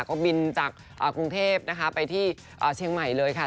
ก็บินจากกรุงเทพนะคะไปที่เชียงใหม่เลยค่ะ